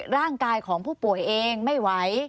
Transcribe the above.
ร่างกายของผู้ป่วยเองไม่ไหว